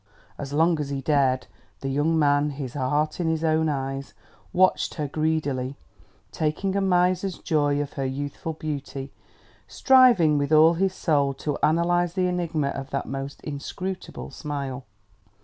As long as he dared, the young man, his heart in his own eyes, watched her greedily, taking a miser's joy of her youthful beauty, striving with all his soul to analyze the enigma of that most inscrutable smile.